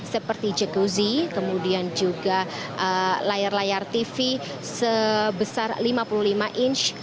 seperti jakozi kemudian juga layar layar tv sebesar lima puluh lima inch